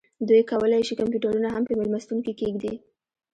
دوی کولی شي کمپیوټرونه هم په میلمستون کې کیږدي